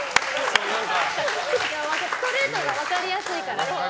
ストレートが分かりやすいから。